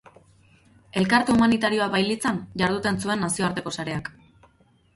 Elkarte humanitarioa bailitzan jarduten zuen nazioarteko sareak.